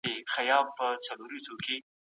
د تقاعد پيسي څنګه ورکول کیږي؟